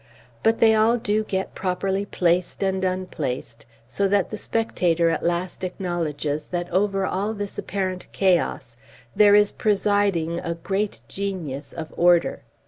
But they all do get properly placed and unplaced, so that the spectator at last acknowledges that over all this apparent chaos there is presiding a great genius of order.